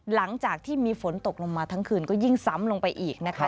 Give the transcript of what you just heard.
หลังจากที่มีฝนตกลงมาทั้งคืนก็ยิ่งซ้ำลงไปอีกนะคะ